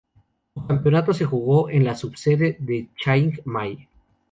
El campeonato se jugó en la subsede de Chiang Mai.